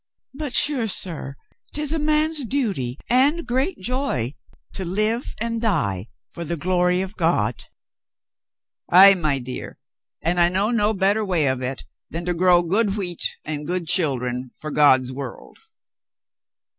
But sure, sir, 'tis a man's duty and great joy to live and die for the glory of God." "Ay, my dear, and I know no better way of it than HE SEES HIS INSPIRATION 41 to grow good wheat and good children for God's world."